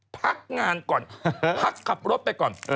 พักงานก่อนพักขับรถไปก่อน